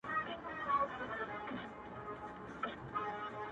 پر نغمو پر زمزمو چپاو راغلى؛